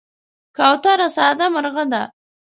کوتره ساده مرغه ده.